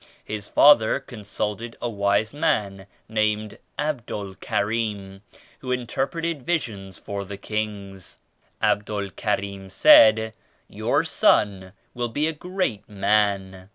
His father con sulted a wise man named Abdul Karim who in terpreted visions for the kings. Abdul Karim said 'Your son will be a great man.